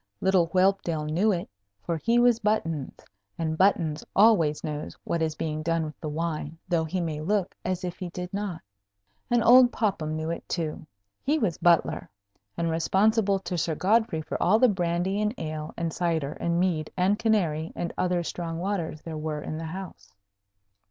Little Whelpdale knew it, for he was Buttons, and Buttons always knows what is being done with the wine, though he may look as if he did not. And old Popham knew it, too. He was Butler, and responsible to Sir Godfrey for all the brandy, and ale, and cider, and mead, and canary, and other strong waters there were in the house.